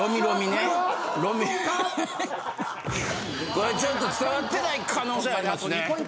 これちょっと伝わってない可能性ありますね。